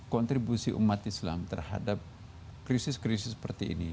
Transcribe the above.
kontribusi umat islam terhadap krisis krisis seperti ini